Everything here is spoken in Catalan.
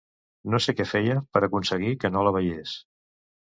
No sé què feia per aconseguir que no la veiés.